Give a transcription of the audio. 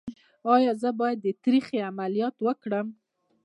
ایا زه باید د تریخي عملیات وکړم؟